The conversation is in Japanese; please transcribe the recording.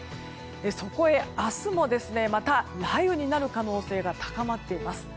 そこへ明日も、また雷雨になる可能性が高まっています。